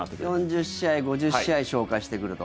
４０試合、５０試合消化してくると。